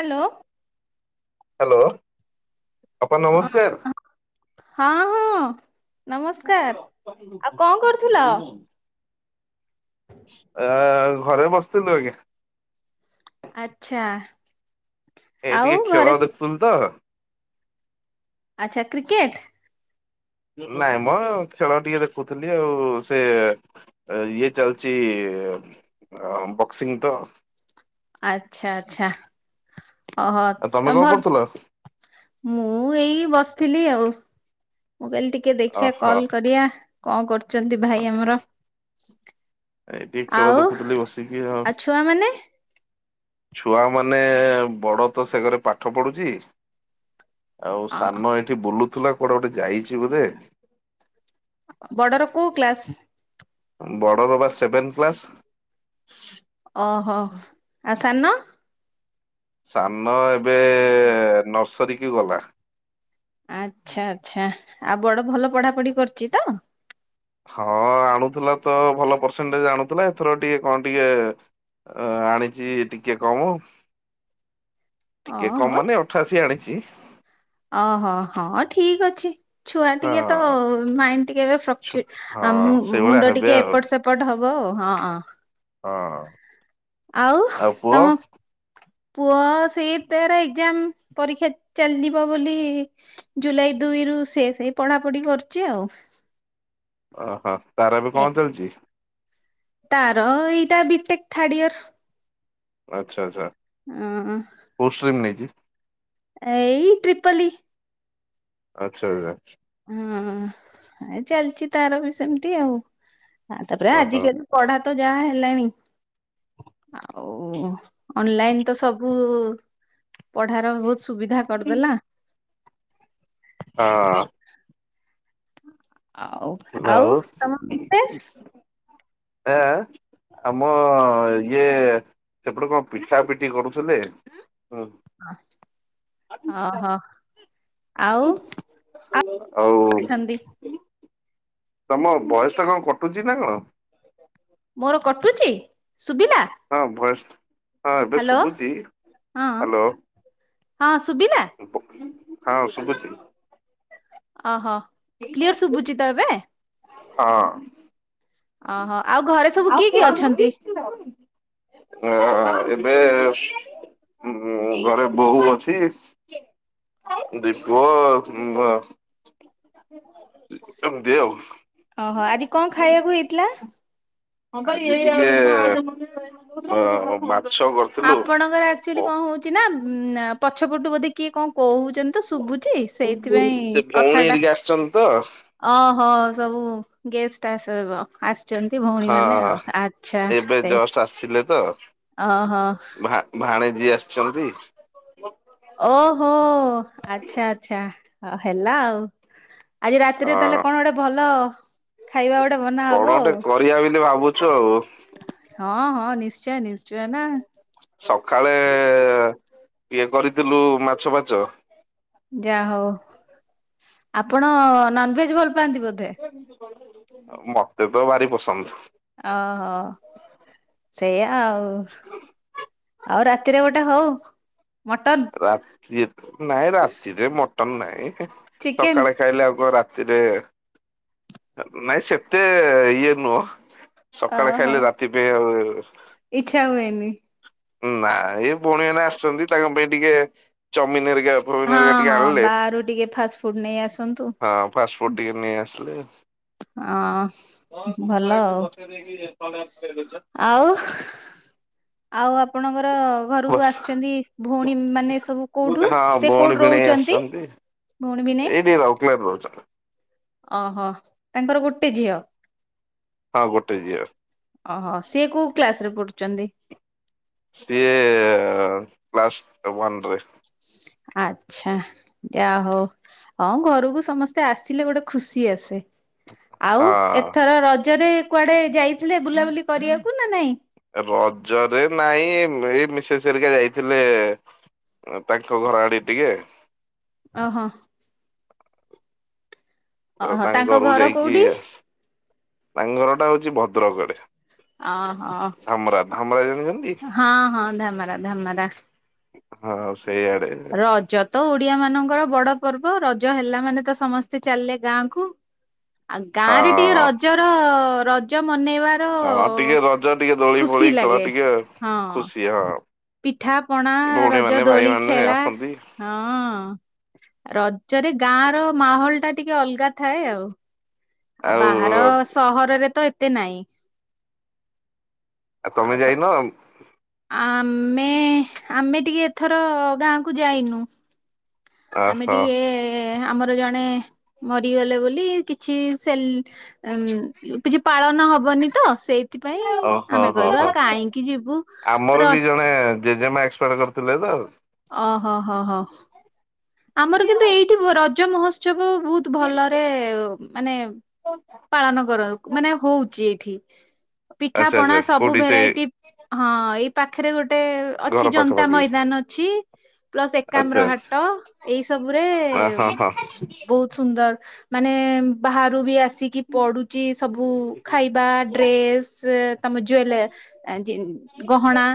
Hello. Hello ଅପା ହଁ ନମସ୍କାର୍। ହଁ- ହଁ ନମସ୍କାର୍। ଆଉ କଣ୍ କରୁଥିଲ? ଆ -ଘରେ ବସି [unintelligible] ଆଚ୍ଛା। ଏ ଆଉ ଟିକେ ଘରେ ଖେଳ ଦେଖୁଥିଲି ତ। ଆଚ୍ଛା କ୍ରିକେଟ୍? ନାଇଁ ମ ଖେଳ ଟିକେ ଦେଖୁଥିଲି ଆଉ ସେ ଇଏ ଚାଲିଚି ଅ-ବକ୍ସିଂ ତ। ଆଚ୍ଛା ଆଚ୍ଛା ଓହୋ ଆଉ ତମେ କଣ ଭଲ୍ କରୁଥିଲ? ମୁଁ ଏଇ ବସିଥିଲି ଆଉ। ମୁଁ କହିଲି ଟି ଟିକେ ଦେଖିଆ ଓହୋ କଲ୍ କରିଆ କଣ୍ କରୁଚନ୍ତି ଭାଇ ଆମର। ଏ ଟିକେ ଖେଳ ଆଉ ଦେଖୁଥିଲି ବସିକି ଆଉ। ଛୁଆ ମାନେ ଛୁଆ ମାନେ ବଡ ତ ସେ ଘରେ ପାଠ ପଢୁଚି। ଆଉ ସାନ ଏଠି ବୁଲୁଥିଲା କୁଆଡେ ଗୋଟେ ଯାଇଚି ବୋଧେ। ବଡର କଉ କ୍ଲାସ୍? ବଡର ବା ସେଭେନ୍ କ୍ଲାସ୍। ଓହୋ ଆ ସାନ? ସାନ ଏବେ ନର୍ସରୀ କି ଗଲା। ଆଚ୍ଛା ଆଚ୍ଛା ଆଉ ବଡ ଭଲ ପଢା ପଢି କରୁଛି ତ? ହଁ ଆଣୁଥିଲା ତ ଭଲ ପରସେଣ୍ଟେଜ୍ ଆଣୁଥିଲା ଏଥର ଟିକେ କଣ ଟିକେ ଆ ଆଣିଛି ଟିକେ କାମ। ଟିକେ ଓହୋ କମ ମାନେ ଅଠାଅଶୀ ଆଣିଛି। ଅହଁ ହଁ ଠିକ୍ ଅଛି। ଛୁଆ ଟିକେ ତ ହଁ। ମାଇଣ୍ଡ ଟିକେ ଛୁ ଏବେ [unintelligible] ହଁ ସେଇଭଳିଆ ମୁଣ୍ଡ ହେବେ ଟିକେ ଆଉ ଏପଟ ସେପ୍ ପଟ ହବ ଅ ହଁଁ। ହଁ। ଆଉ ତମ ପୁଅ ସେଇ ତେର ଏକ୍ଜାମ୍ ପରୀକ୍ଷା ଚାଲିଯିବ ବୋଲି ଜୁଲାଇ ଦୁଇରୁୁ ସେ ସେଇ ପଢାପଢି କରୁଛି ଆଉ। ଓହୋ ତାର ଏବେ ଏ କଣ ଚାଲିଛି? ତାର ଏଇଟା ବିଟେକ୍ ଥାର୍ଡ ଇୟର୍। ଆଚ୍ଛା ଆଚ୍ଛା। ଅଁ। ଆଁ। କୋଉ ସ୍ଟ୍ରିମ୍‌ ନେଇଛି? ଏଇ ଟ୍ରିପଲି। ଆଚ୍ଛା ଆଚା। ହଁ ଏ ଚାଲିଚି ତାର ବି ସେମିତି ଆଉ ଆ ତାପରେ ହଁ ହଁ ଆଜିିକାଲି ପଢା ତ ଯାହା ହେଲାଣି। ଆଉ ଅନଲାଇନ୍‌ ତ ସବୁ ପଢାର ବହୁତ ସୁବିଧା କରିଦେଲା। ହଁ ଅଁ ଆଉ। ଆଉ ତମ ପୁଟେ। ଏଆଁ। ଆମ ଇଏ ସେପଟେ କଣ ପିଟା ପିଟି କରୁଥିଲେ? ହୁଁ। [unintelligible] ଅ ହଁ ଆଉ ଆଉ ଆପ୍ ଅଛନ୍ତି। ତମ ବୟସ୍ ଟା କଣ କଟୁଛି ନା କଣ? ମୋର କଟୁଚି ଶୁଭିଲା। ହଁ ଭୟସ୍ ହଁ ଏବେ ହ୍ୟାଲୋ ଶୁଭୁଛି ହଁ ହ୍ୟାଲୋ। ହଁ ଶୁଭିଲା ହା ଓ ଶୁଭୁଛି। ଅ ହ। ଏଇଟା ଶୁଭୁଛି ହଁ। ଅ ହ ଆଉ ଘରେ ସବୁ କିଏ କିଏ ଅଛନ୍ତି? ଅହଁ ଏବେ ମୁଁ ଘରେ ବୋଉ ଅଛି। ଦି ପୁଅ ଏମିତି ଆଉ। ଅହ ଆଜି କଅଁ ଖାଇବାକୁ ହେଇଥିଲା? ଆଜି ଟିକେ ମାଛ ଉ ଆପଣଙ୍କର ଏକ୍ଚୁଅଲି କଣ ହଉଛି ନା ମ୍ ପଛପଟୁ ବୋଧେ କିଏ କଣ କହୁଛନ୍ତି? ତ ଶୁଭୁଛି ସେଇଥିପାଇଁ ସେ ଭଉଣୀ ହେରିକିଆ ଆସିଛନ୍ତି ତ। ଅହୋ ସବୁ ଗେଷ୍ଟ୍ ଆସିବ ଆସ୍‌ ଛନ୍ତି ଭଉଣୀ ହଁ ମାନେ ଆଉ। ଆଚ୍ଛା ଏବେ ସେ ଜଷ୍ଟ ଆସିଲେ ଓହୋ। ଭାଣିଜି ଆସିଛନ୍ତି। ଓହୋ ଆଚ୍ଛା ଆଚ୍ଛା ଆ ହେଲା ଆଉ। ଆଜି ରାତିରେ ତାହେଲେ ହଁ କଣ ଗୋଟେ ଭଲ ଖାଇବା ଗୋଟେ ବନା ହବ କଣ ଗୋଟେ ଆଉ କରିବା ବୋଲି ଭାବୁଚୁ ଆଉ। ହଁ ହଁ ନିଶ୍ଚୟ ନିଶ୍ଚୟ ନା। ସଖାଳେ ଇଏ କରିଥିଲୁ ମାଛ ଫାଛ। ଯାହା ହଉ ଆପଣ ନନ୍‌ଭେଜ ଭଲ ପାଆନ୍ତି ବୋଧେ ଆଉ ମତେ ତ ଭାରି ପସନ୍ଦ। ଓହୋ ସେଇଆା ଆଉ। ଆଉ ରାତିରେ ଗୋଟେ ହଉ ମଟନ? ରାତି ନାଇଁ ରାତିରେ ମଟନ ନାଇଁ। ଚିକେନ ସଖାଳେ ଖାଇଲେ ଆଉ କ ରାତିରେ ନାଇଁ ସେତେ ଇଏ ନୁହଁ। ସକାଳେ ଓହୋ ଖାଇଲେ ରାତି ପାଇଁ ଆଉ ଇଚ୍ଛା ହୁଏନି। ନା ଏ ଭଉଣୀମାନେେ ଆସିଚନ୍ତି ତାଙ୍କ ପାଇଁ ଟିକେ ଚମିନ ହେରିକା ଫମିନ ହଁ ହେରିକା ଟିକେ ହଁ ଆଣିଲେ ବାହାରୁ ଟିକେ ଫାଷ୍ଟ ଫୁଡ୍ ନେଇ ଆସନ୍ତୁ। ହଁ ଫାଷ୍ଟଫୁଡ ଟିକେ ନେଇ ଆସିଲେ ଅ ଭଲ ଆଉ। ନେଇକି ଯା [unintelligible] ଦୋଉଚ ଆଉ ଆଉ ଆପଣଙ୍କର ଘରକୁ ବସ୍। ଆସିଚନ୍ତି ଭୋଉଣୀ ମାନେ ସବୁ ହଁ କୋଉଠୁ? ସିଏ କୋଉଠିି ରୋହୁଚନ୍ତି? ଏଇଠି ଏଇ ରାଉକେଲାରେ ରୋହୁଚନ୍ତି। ଓହୋ ତାଙ୍କର ଗୋଟେ ଝିଅ। ହଁ ଗୋଟେ ଝିଅ। ଓହୋ ସିଏ କୋଉ କ୍ଲାସରେ ପଢୁଚନ୍ତି? ସିଏ କ୍ଲାସ ୱାନରେ। ଆଛା ଯାହୋଉ। ହଁ ଘରକୁ ସମସ୍ତେ ଆସିଲେ ଗୋଟେ ଖୁସି ଆସେ। ଆଉ ଏଥର ରଜରେ କୁଆଡେ ଯାଇଥିଲେ ବୁଲାବୁଲି କରିବାକୁ ନା ନାଇଁ? ରଜରେ ନାଇଁ ଏଇ ଏଇ ମିଶେସ୍ ହେରିକା ଯାଇଥିଲେ ତାଙ୍କ ଘର ଆଡ଼େ ଟିକେ ଓହୋ। ଅ ଓହୋ ତାଙ୍କ ଘରୁକୁ ଘର ଯାଇକି କୋଉଠି? ଆସି ତାଙ୍କ ଘର ଟା ହୋଉଚି ଭଦ୍ରକରେ। ଓହୋ ଜାଣିଛନ୍ତି ହଁ ହଁ ଧାମେରା ଧାମେରା। ହଁ ସେଇଆଡେ। ରଜ ତ ଓଡିଆ ମାନଙ୍କର ବଡ ପର୍ବ ରଜ ହେଲା ମାନେ ତ ସମସ୍ତେ ଚାଲିଲେ ଗାଁକୁ। ଆଉ ଗାଁରେ ଟିକେ ହଁ ରଜର ରଜ ମନେଇବା ହଁ ଟିକେ ରଜ ଟିକେ ଦୋଳି ଫୋଳି ଖେଳ ଲାଗେ। ଟିକେ ହଁ ଖୁସି ହଁ। ପିଠା ପଣା ଭଉଣୀ ରଜ ମାନେ ଭାଇ ଦୋଳି ମାନେ ଖେଳା ଆସନ୍ତି ହଁ ରଜରେ ଗାଁର ମାହୋଲ ଟା ଟିକେ ଅଲଗା ଥାଏ ଆଉ। ଆଉ ବାହାର ସହରରେ ତ ଏତେ ନାଇଁ। ଆଉ ତମେ ଯାଇନ? ଆମେ ଆମେ ଟିକେ ଏଥର ଗାଁକୁ ଯାଇନୁ। ଆମେ ଓହୋ ଟିକେ ଆମର ଜଣେ ମରିଗଲେ ବୋଲି କିଛି ସେଲ ଉଁ କିଛି ପାଳନ ହବନି ତ ସେଇ ସେଥିପାଇଁ ଓହୋ ଆମେ ହୋ କହିଲୁ ହୋ ଆଉ କାହିଁକି ଯିବୁ ଆମର ବି ରହି ଜଣେ ଜେଜେମା ଏକ୍ସପାଷ୍ଟ କରିଥିଲେ ତ ଆଉ। ଓହୋ ହୋ ହୋ। ଆମର କିନ୍ତୁ ଏଇଠି ରଜ ମହୋତ୍ସବ ବୋହୁତ ଭଲରେ ମାନେ ପାଳନ କରା ମାନେ ହୋଉଚି ଏଇଠି ପିଠା ଆଚ୍ଛା ପଣା ଆଚ୍ଛା ସବୁ କୋଉଠି ସେ ଭେରାଇଟି ହଁ ଏଇ ପାଖରେ ଗୋଟେ ଘର ଅଛି ଜନ୍ତା ପାଖାପାଖି ମଇଦାନ ଅଛି ପ୍ଲସ୍ ଆଚ୍ଛା ଏକାମ୍ର ହାଟ। ଏଇ ସବୁରେ ହଁ ହଁ ହଁ ବୋହୁତ ସୁନ୍ଦର ମାନେ ବାହାରୁ ବି ଆସିକି ପଡ଼ୁଚି ସବୁ ଖାଇବା ଡ୍ରେସ୍ ତମ ଜୁୱେ ଆ ଜିନ୍ ହେଲେ ଗହଣା।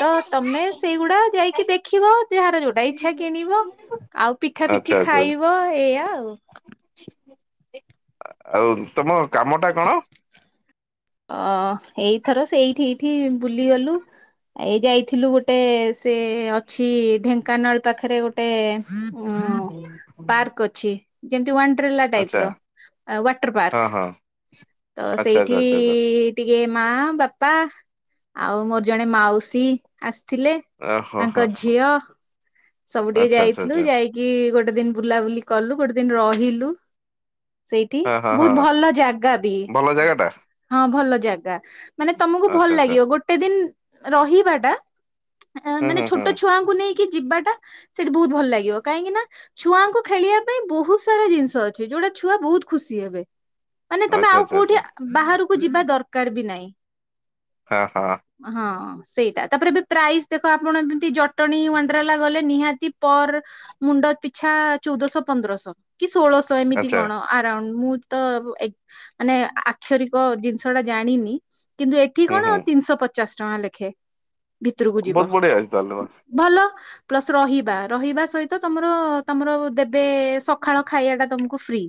ତ ତମେ ସେଇଗୁଡା ଯାଇକି ଦେଖିବ ଯାହାର ଯୋଉଟା ଇଚ୍ଛା କିଣିବ। ଆଉ ପିଠା ଆଚ୍ଛା ପିଠି ଆଚ୍ଛା ଖାଇବ ଏଇଆ ଆଉ। ଆଉ ତମ କାମ ଟା କଣ? ଅ ଏଇଥର ସେଇଠି ଏଇଠି ବୁଲିଗଲୁ। ଏଇ ଯାଇଥିଲୁ ଗୋଟେ ସେ ଅଛି ଢେଙ୍କାନାଳ ପାଖରେ ଗୋ ଟେ ଉଁ ପାର୍କ ଅଛି ଯେମିତି ୱାଣ୍ଡ୍ରେଲା ଆଚ୍ଛା ଟାଇପ ର। ୱାଟର ହଁ ପାର୍କ ହଁ ତ ଆଚ୍ଛା ଆଚ୍ଛା ସେଇଠି ଆଚ୍ଛା ଆଚ୍ଛା ସେ ଟିକେ ମା ବାପା ଆଉ ମୋର ଜଣେ ମାଉସୀ ଆସିଥିଲେ ଅ ହୋ ହୋ ତାଙ୍କ ଝିଅ ସବୁ ଟିକେ ଆଚ୍ଛା ଆଚ୍ଛା ଯାଇଥିଲୁ ଆଚ୍ଛା। ଯାଇ କି ଗୋଟେ ଦିନ୍ ବୁଲାବୁଲି କଲୁ ଗୋଟେ ଦିନ୍ ରହିଲୁ। ସେଇଠି ହଁ ହଁ ବହୁତ ହଁ ଭଲ ଜାଗା ବି। ଭଲ ଜାଗା ଟା ହଁ ଭଲ ଜାଗା ମାନେ ତମୁକୁ ଭଲ ଆଚ୍ଛା ଆଚ୍ଛା ଲାଗିବ ଗୋଟେ ଦିନ୍ ରହିବାଟା ହୁଁ ମାନେ ହୁଁ ହୁଁ ଛୋଟ ଛୁଆଙ୍କୁ ନେଇକି ଯିବାଟା ସେଇଠି ବହୁତ ଭଲ ଲାଗିବ କାହିଁକି ନା ଛୁଆଙ୍କୁ ଖେଳିବା ପାଇଁ ବହୁତ ସାରା ଜିନିଷ ଅଛି ଯୋଉଟା ଛୁଆ ବହୁତ ଖୁସି ହେବେ। ମାନେ ତମେ ଆଚ୍ଛା ଆଉ ଆଚ୍ଛା କୋଉଠି ଆଚ୍ଛା। ବାହାରକୁ ଯିବା ଦରକାର ବି ନାଇଁ। ହଁ ହଁ ହଁ। ସେଇଟା ତାପରେ ଏବେ ପ୍ରାଇସ୍ ଦେଖ ଆପଣ ଯେମିତି ଜଟଣୀ ୱାଣ୍ଡ୍ରେଲା ଗଲେ ନିହାତି ପର ମୁଣ୍ଡ ପିଛା ଚଉଦଶହ ପନ୍ଦରଶ। କି ଷୋଳଶହ ଏମିତି ଆଚ୍ଛା କଣ ଆରାଉଣ୍ଡ ମୁଁ ତ ଏ ମାନେ ଆ କ୍ଷରିକ ଜିନିଷ ଟା ଜାଣିନି କିନ୍ତୁ ଏଠି ହୁଁ କଣ ହୁଁ ତିନିଶହ ପଚାଶ ଟଙ୍କା ଲେଖେ। ଭିତୁରୁକୁ ଯିବ ବହୁତ ବଢିଆ ଅଛି ତାହେଲେ ତ। ଭଲ। ପ୍ଲସ ରହିବା ରହିବା ସହିତ ତମର ତମର ଦେବେ ସକାଳ ଖାଇବା ଟା ତମୁକୁ ଫ୍ରି।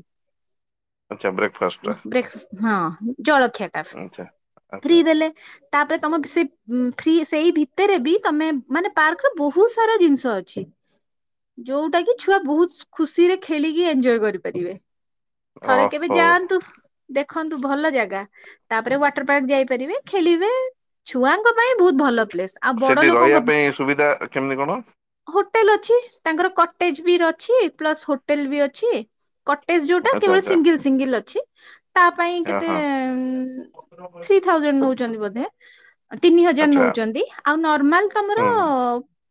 ଆଚ୍ଛା ବ୍ରେକଫାଷ୍ଟ ଟା ବ୍ରେଖ୍ ହଁ ଜଳଖିଆଟା ଆଚ୍ଛା। ଆଚ୍ଛା ଫ୍ରି ଦେଲେ। ତାପରେ ତମ ସେଇ ଫ୍ରୀ ସେଇ ଭିତେରେ ବି ତମେ ମାନେ ପାର୍କ ର ବହୁତ ସାରା ଜିନିଷ ଅଛି। ଯୋଉଟା କି ଛୁଆ ବହୁତ ଖୁସିରେ ଖେଳିକି ଏଞ୍ଜଏ କରିପାରିବେ। ଥରେ କେବେ ଓହୋ ଯାଆନ୍ତୁ ଦେଖନ୍ତୁ ଭଲ ଜାଗା। ତାପରେ ୱାଟର ପାର୍କ ଯାଇପାରିବେ ଖେଳିବେ ଛୁଆଙ୍କ ପାଇଁ ବହୁତ ଭଲ ପ୍ଲେସ୍। ଆଉ ବଡ ସେଠି ରହିବା ଲୋକଙ୍କ ପାଇଁ ସୁବିଧା କେମିତି କଣ? ହୋଟେଲ ଅଛି ତାଙ୍କର କଟେଜ ବି ଅଛି ପ୍ଲସ ହୋଟେଲ ବି ଅଛି କ ଟେଜ ଯୋଉଟା ଆଚ୍ଛା କେବଳ ଆଚ୍ଛା ସିଙ୍ଗଲ ସିଙ୍ଗଲ ଅଛି ତା ପାଇଁ ଅ କେତେ ହଁ ଉଁ ଥ୍ରୀ ଥାଉଜେଣ୍ଡ ନୋଉଚନ୍ତି ବୋଧେ ତିନି ହଜାର ଆଚ୍ଛା ନୋଉଚନ୍ତି ଆଉ ନର୍ମାଲ ତମର ହୁଁ ହୁଁ ଅ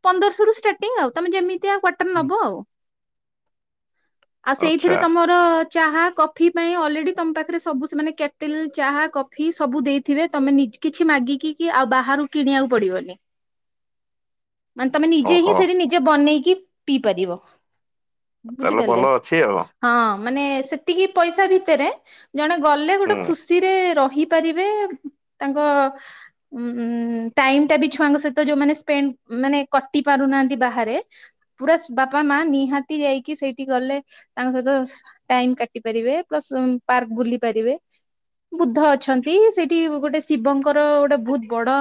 ପନ୍ଦରଶହ ରୁ ଷ୍ଟାର୍ଟିଂ ଆଉ ତମେ ଯେମିତିଆ କ୍ୱାଟର ନବ ଆଉ। ଆଉ ସେଇଥିରେ ଆଚ୍ଛା ତମର ଚାହା କଫି ପାଇଁ ଅଲରେଡି ତମ ପାଖରେ ସବୁ ସେମାନେ କେଟିଲ ଚାହା କଫି ସବୁ ଦେଇଥିବେ ତମେ ନି କିଛି ମାଗିକ କି ଆଉ ବାହାରୁ କିଣିବାକୁ ପଡିବନି। ମାନେ ତମେ ନିଜେ ଓହୋ ହିଁ ସେଇଠି ନିଜେ ବନେଇକି ପିଇପାରିବ। ତାହେଲେ ଭଲ ବୁଝିପାରିଲେ। ଅଛି ଆଉ। ହଁ ମାନେ ସେତିକି ପଇସା ଭିତରେ ଜଣେ ଗଲେ ହୁଁ ଗୋଟେ ଖୁ ସିରେ ରହିପାରିବେ ତାଙ୍କ ଉଁ ଟାଇମ୍ ଟା ବି ଛୁଆଙ୍କ ସହିତ ଯୋଉମାନେ ସ୍ପେଣ୍ଡ ମାନେ କଟି ପାରୁନାହାନ୍ତି ବାହାରେ ପୁରା ବାପା ମା ନିହାତି ଯାଇକି ସେଇଠି ଗଲେ ତାଙ୍କ ସହିତ ଟାଇମ୍ କାଟି ପାରିବେ ପ୍ଲସ୍ ପାର୍କ ବୁଲି ପାରିବେ। ବୁଦ୍ଧ ଅଛନ୍ତି ସେଇଠି ଗୋଟେ ଶିବଙ୍କର ଗୋଟେ ବହୁତ ବଡ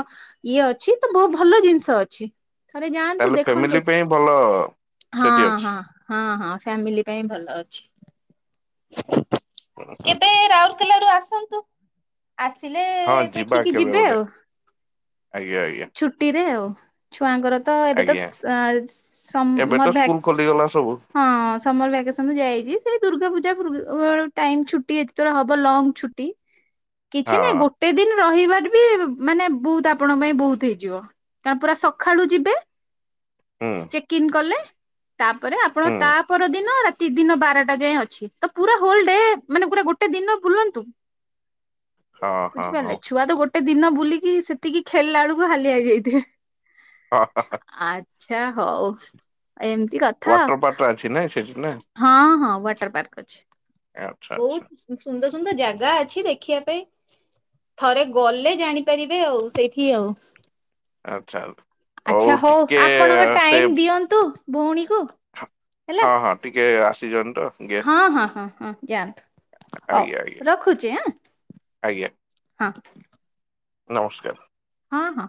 ଇଏ ଅଛି ତ ଭ-ଭଲ ଜିନିଷ ଅଛି। ଥରେ ଯାଆନ୍ତୁ ତାହେଲେ ଦେଖନ୍ତୁ ଫ୍ୟାମିଲି ପାଇଁ ଭଲ ହଁ ସେଠି ହଁ। ଅଛି। ହଁ ହଁ ଫ୍ୟାମିଲି ପାଇଁ ଭଲ ଅଛି। କେବେ ରାଉରକେଲାରୁ ଆସନ୍ତୁ। ଆସିଲେ ହଁ ଯିବା ଦେଖିକି କେବେ ଯିବେ ଗୋଟେ ଆଉ। ଆଜ୍ଞା ଆଜ୍ଞା। ଛୁଟିରେ ଆଉ ଛୁଆଙ୍କର ତ ଏବେ ତ ଆଜ୍ଞା ସ୍ ଅଁ ଏବେ ତ ସମର୍ ଭ୍ୟା ସ୍କୁଲ ଖୋଲିଗଲା ସବୁ। ହଁ ସମର୍ ଭ୍ୟାକେସନ୍ ରୁ ତ ଯାଇଛି ସେ ଦୁର୍ଗା ପୂଜା ପୂର୍ବ ଟାଇମ୍ ଛୁଟି ଯେତେବେଳେ ହବ ଲଙ୍ଗ ଛୁଟି କିଛି ନାଇଁ ହଁ ଗୋଟେ ଦିନ ରହିବାର ବି ମାନେ ବୋହୁତ୍ ଆପଣଙ୍କ ପାଇଁ ବୋହୁତ୍ ହେଇଯିବ। ତା ପୁରା ସଖାଳୁ ଯିବେ ହୁଁ ଚେକ୍ ଇନ୍ କଲେ। ପରେ ଆପଣ ହୁଁ ତା ପରଦିନ ରା ତି ଦିନ ବାରଟା ଯାଏଁ ଅଛି ତ ପୁରା ହୋଲ୍ ଡେ ମାନେ ପୁରା ଗୋଟେ ଦିନ ବୁଲନ୍ତୁ। ହଁ [inaudible] ହଁ ବୁଝିପାରଲେ ହଁ। ଛୁଆ ତ ଗୋଟେ ଦିନ ବୁଲିକି ସେତିକି ଖେଳିଲା ଅଳୁକୁ ହାଲିଆ ହେଇଯାଇଥିବେ। ହଁ ହଁ ଆଚ୍ଛା ହଉ ଏମତି କ ୱାଟର୍ ପାର୍କଟା ଅଛି ନାଇଁ ସେଠି ନାଁ। ହଁ ହଁ ୱାଟର୍ ପାର୍କ ଅଛି। ଆଚ୍ଛା ବୋଉ ଆଚ୍ଛା ଉଁ ସୁନ୍ଦର ସୁନ୍ଦର ଜାଗା ଅଛି ଦେଖିବା ପାଇଁ। ଥରେ ଗଲେ ଜାଣିପାରିବେ ଆଉ ସେଇଠି ଆଉ। ଆଚ୍ଛା। ଆଚ୍ଛା ହଉ ଆପଣଙ୍କ ସେ ଟାଇମ୍ ଦିଅନ୍ତୁ ଭୋଉଣୀକୁ। ହଁ ହଁ ଟିକେ ଆସିଚନ୍ତି ତ ଟିକେ ଆସିଚନ୍ ତ ଦି ଅଁ ହଁ ହଁ ହଁ ଯାଆନ୍ତୁ। ହଉ ଆଜ୍ଞା ଆଜ୍ଞା ରଖୁଚି ଆଁ। ଆଜ୍ଞା ହଁ। ନମସ୍କାର। ହଁ ହଁ।